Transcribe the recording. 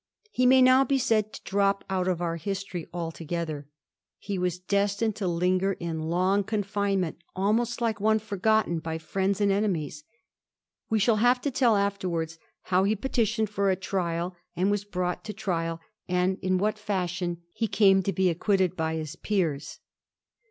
He may now be Baid to drop out of our history altogether. He was destined to hnger in long confinement, almost like one forgotten by Mends and enemies. We shall have to tell after wards how he petitioned for a trial, and was brought to trial, and in what fashion he came to be acquitted by his peers.